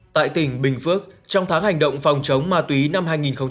tại tỉnh bình phước trong tháng hành động phòng chống ma túy năm hai nghìn hai mươi ba